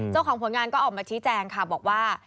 เจ้าของผลงานก็ออกมาชี้แจงค่ะบอกว่า